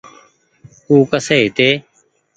او ڪسي هيتي ۔